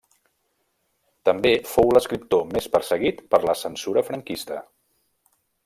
També fou l'escriptor més perseguit per la censura franquista.